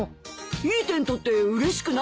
いい点取ってうれしくないの？